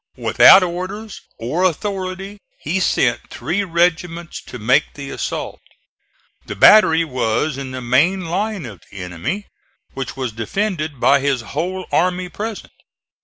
Without orders or authority he sent three regiments to make the assault. The battery was in the main line of the enemy, which was defended by his whole army present.